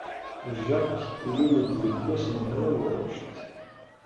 Jack ilul-d deg wass n mraw Ɣuct.